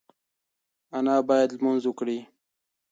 انا باید لمونځ وکړي.